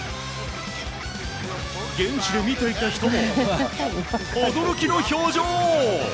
現地で見ていた人も驚きの表情！